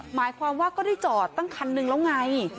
หมายความว่าก็ได้จอดตั้งคันหนึ่งแล้วไง